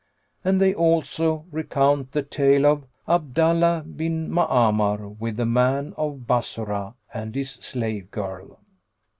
And they also recount the tale of ABDALLAH BIN MA'AMAR WITH THE MAN OF BASSORAH AND HIS SLAVE GIRL.